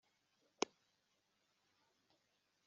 abashi bose baramucyeza